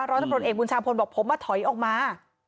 ร้อยตำรวจเอกบุญชาพลบอกผมมาถอยออกมา